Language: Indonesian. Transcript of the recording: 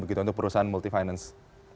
begitu untuk perusahaan multi finance